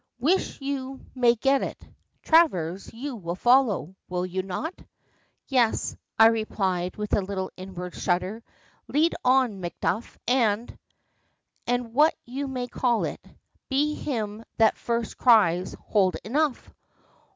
"Wish you may get it. Travers, you will follow, will you not?" "Yes," I replied, with a little inward shudder. "'Lead on, Macduff, and' and, what you may call it, be him that first cries 'Hold, enough!'"